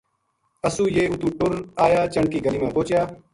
اَسو یہ اُتو ٹُر آیاچَنڈ کی گلی ما پوہچیا